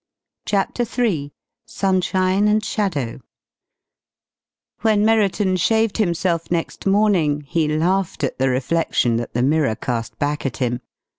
CHAPTER III SUNSHINE AND SHADOW When Merriton shaved himself next morning he laughed at the reflection that the mirror cast back at him.